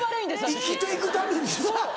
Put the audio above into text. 生きて行くためにな。